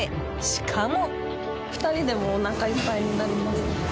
しかも。